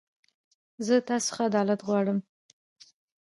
زه تاسو خڅه عدالت غواړم.